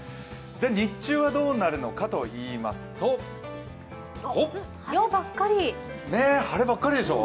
じゃ、日中はどうなるのかといいますと、晴ればっかりでしょ？